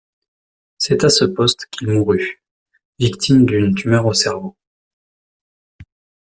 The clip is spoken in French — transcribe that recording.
C'est à ce poste qu'il mourut, victime d'une tumeur au cerveau.